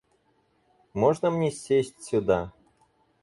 Можно мне сесть сюда?